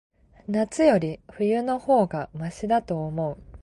夏より、冬の方がましだと思う。